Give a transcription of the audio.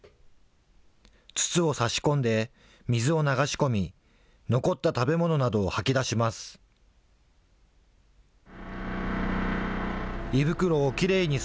筒を差し込んで、水を流し込み、残った食べ物などを吐き出します。